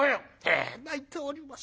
「ええ泣いております。